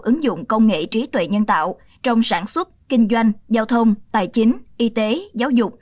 ứng dụng công nghệ trí tuệ nhân tạo trong sản xuất kinh doanh giao thông tài chính y tế giáo dục